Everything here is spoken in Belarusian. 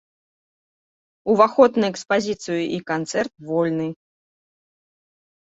Уваход на экспазіцыю і канцэрт вольны.